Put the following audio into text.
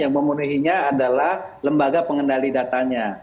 yang memenuhinya adalah lembaga pengendali datanya